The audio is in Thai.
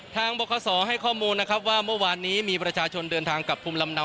ทางบริการสร้างข้อมูลมีประชาชนเดินทางกลับพุมลำเนา